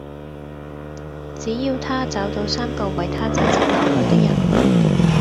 只要她找到三個為她真心流淚的人